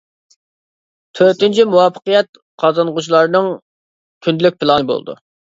تۆتىنچى، مۇۋەپپەقىيەت قازانغۇچىلارنىڭ ‹ ‹كۈندىلىك پىلانى› › بولىدۇ.